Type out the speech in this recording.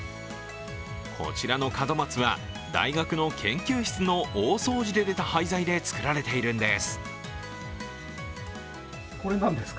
こちらの門松は、大学の研究室の大掃除で出た廃材で作られているんです。